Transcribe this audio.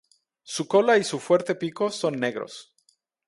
Su cola y su fuerte pico son negros.